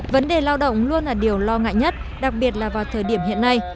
vấn đề lao động luôn là điều lo ngại nhất đặc biệt là vào thời điểm hiện nay